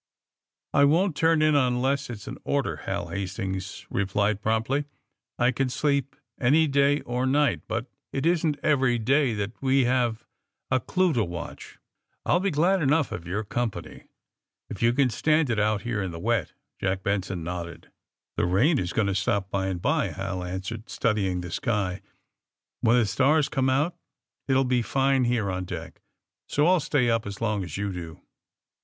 *^I won't turn in unless it's an order," Hal Hastings replied promptly. *^I can sleep any day or night, but it isn't every day that we have a clue to watch." I'll be glad enough of your company, if yon AND THE SMUGGLEES 75 can stand it out here in the wet, '' Jack Benson nodded. ^'The rain is going to stoj), by and by,'' Hal answered, studying the sky. *'When the stars come out it will be fine here on deck. So I'll stay up as long as you do."